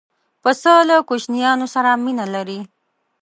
پسه له کوچنیانو سره مینه لري.